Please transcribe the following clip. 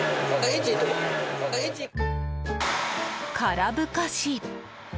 空ぶかし。